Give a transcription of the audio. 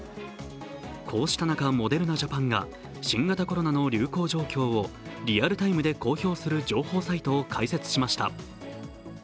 こうした中、モデルナ・ジャパンが新型コロナの流行状況をリアルタイムで公表する情報サイトを開設しました。